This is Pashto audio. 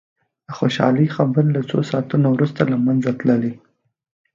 د خوشالي خبر له څو ساعتونو وروسته له منځه تللي.